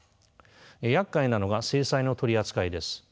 やっかいなのが制裁の取り扱いです。